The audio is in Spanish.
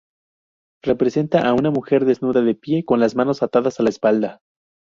Representa a una mujer desnuda de pie, con las manos atadas a la espalda.